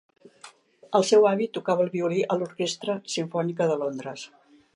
El seu avi tocava el violí a l'Orquestra Simfònica de Londres.